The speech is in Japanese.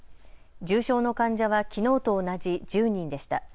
重症の患者はきのうと同じ１０人でした。